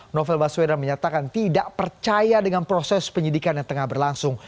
novel baswedan menyatakan tidak percaya dengan proses penyidikan yang tengah berlangsung